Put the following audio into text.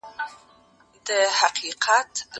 زه بايد تمرين وکړم؟!